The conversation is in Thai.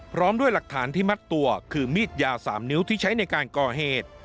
พร้อมด้วยหลักฐานที่มัดตัวคือมีดยาว๓นิ้วที่ใช้ในการก่อเหตุ